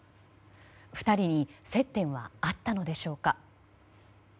２人に接点はあったのでしょうか。